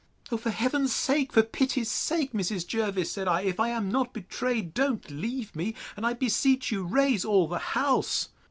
O, for Heaven's sake! for pity's sake! Mrs. Jervis, said I, if I am not betrayed, don't leave me; and, I beseech you, raise all the house.